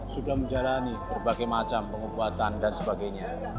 sudah menjalani berbagai macam pengobatan dan sebagainya